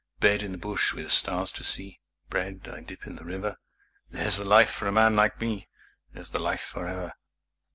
Bed in the bush with stars to see, Bread I dip in the river There's the life for a man like me, There's the life for ever.